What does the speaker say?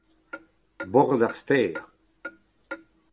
bord ar stêr